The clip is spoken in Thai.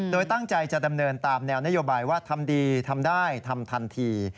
โดยตั้งใจจะดำเนินตามแนวนโยบายว่าทำดีทำได้ทำทันที